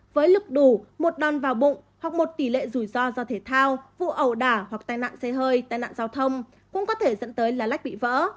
với lực đủ một đòn vào bụng hoặc một tỷ lệ rủi ro do thể thao vụ ẩu đả hoặc tai nạn xe hơi tai nạn giao thông cũng có thể dẫn tới lách bị vỡ